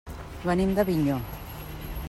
Venim d'Avinyó.